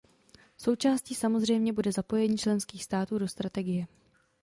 Součástí samozřejmě bude zapojení členských států do strategie.